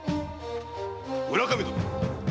村上殿！